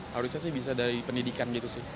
harusnya sih bisa dari pendidikan